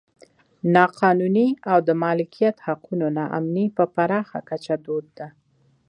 نا قانوني او د مالکیت حقونو نا امني په پراخه کچه دود ده.